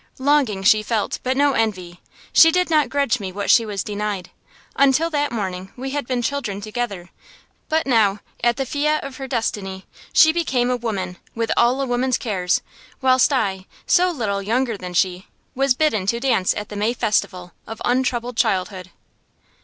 Longing she felt, but no envy. She did not grudge me what she was denied. Until that morning we had been children together, but now, at the fiat of her destiny, she became a woman, with all a woman's cares; whilst I, so little younger than she, was bidden to dance at the May festival of untroubled childhood.